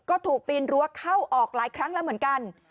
ก็ถูกปีนรั้วเข้าออกหลายครั้งแล้วเหมือนกัน